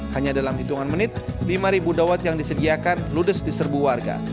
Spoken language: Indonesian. hanya dalam hitungan menit lima ribu dawat yang disediakan ludes di serbu warga